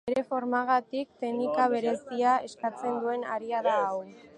Bere formagatik, teknika berezia eskatzen duen harria da hau.